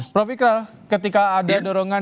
prof ikral ketika ada dorongan